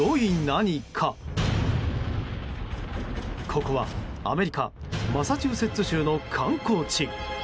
ここはアメリカマサチューセッツ州の観光地。